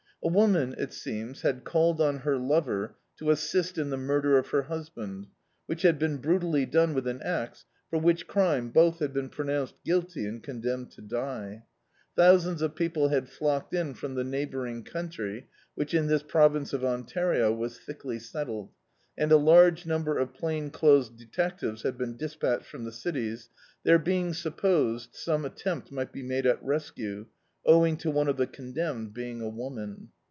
A wwnan, it seems, had called on her lover to assist in the murder of her husband, which had been brutally done with an axe, for which crime both had been pronounced guilty and condemned to die. Thousands of people had flocked in from the nei^bouring country, which in this province of Ontario was thickly settled, and a large number of plain clothes detectives had been dispatched from the cities, there being sup posed some attempt mi^t be made at rescue, owing to one of the condemned being a woman.